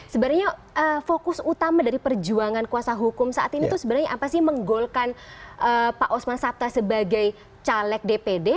sebenarnya fokus utama dari perjuangan kuasa hukum saat ini tuh sebenarnya apa sih menggolkan pak osman sabta sebagai caleg dpd